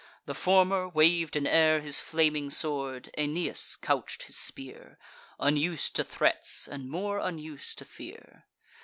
The former wav'd in air His flaming sword: Aeneas couch'd his spear, Unus'd to threats, and more unus'd to fear.